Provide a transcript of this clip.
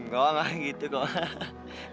gak lah gak gitu kok